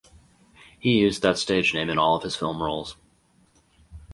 He used that stage name in all of his film roles.